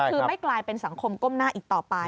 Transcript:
คือไม่กลายเป็นสังคมก้มหน้าอีกต่อไป